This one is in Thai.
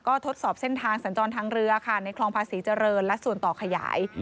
ก็ทดสอบเส้นทางสัญจรทางเรือค่ะในคลองภาษีเจริญและส่วนต่อขยาย